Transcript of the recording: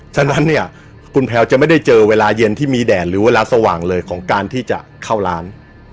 ฉะนั้นเนี่ยคุณแพลวจะไม่ได้เจอเวลาเย็นที่มีแดดหรือเวลาสว่างเลยของการที่จะเข้าร้าน